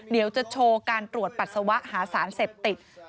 เดี๋ยวจะโชว์การตรวจปัสสาวะหาสารเสพติด